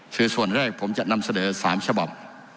คือส่วนแรกผมจะนำเสนอ๓ฉบับ